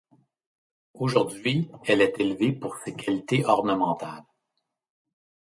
Aujourd'hui, elle est élevée pour ses qualités ornementales.